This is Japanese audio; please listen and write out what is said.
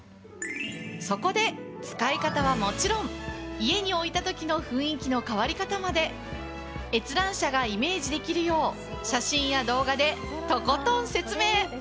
そこで使い方はもちろん家に置いたときの雰囲気の変わり方まで閲覧者がイメージできるよう写真や動画でとことん説明。